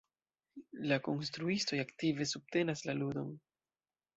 La konstruistoj aktive subtenas la ludon.